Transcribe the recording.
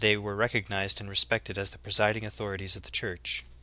131 were recognized and respected as the presiding authorities of the Church.